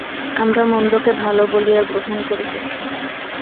আমরা মন্দকে ভাল বলিয়া গ্রহণ করিতেছি।